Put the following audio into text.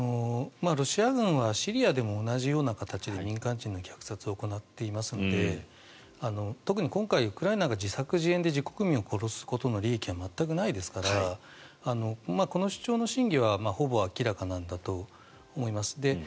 ロシア軍はシリアでも同じような形で民間人の虐殺を行っていますので特に今回ウクライナが自作自演で自国民を殺すことの利益は全くないですからこの主張の真偽はほぼ明らかなんだと思います。